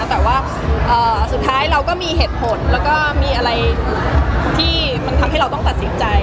แต่ว่าสุดท้ายเราก็มีเหตุผลแล้วก็มีอะไรที่มันทำให้เราต้องตัดสินใจ